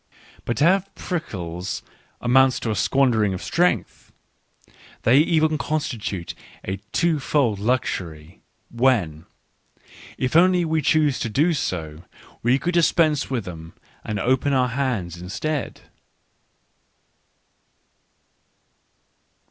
But to have prickles amounts to a squandering of strength ; they even constitute a twofold luxury, when, if we only chose to do so, we could dispense with them and open our hands instead.